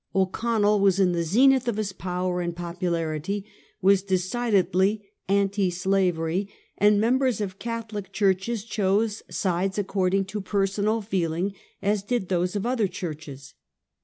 O'Connell was in the zenith of his power and popularity, was decidedly anti slavery, and mem bers of Catholic churches chose sides according to per sonal feeling, as did those of other churches.